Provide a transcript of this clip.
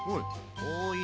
おいいね！